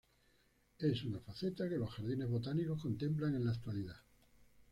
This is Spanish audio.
Es una faceta que los jardines botánicos contemplan en la actualidad.